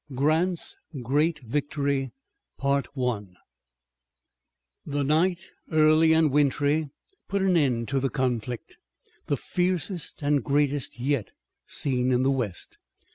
GRANT'S GREAT VICTORY The night, early and wintry, put an end to the conflict, the fiercest and greatest yet seen in the West.